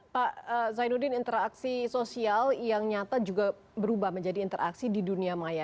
pak zainuddin interaksi sosial yang nyata juga berubah menjadi interaksi di dunia maya